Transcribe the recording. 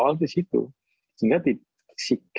bantuan psikologisnya awal disitu